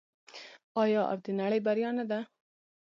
آیا او د نړۍ بریا نه ده؟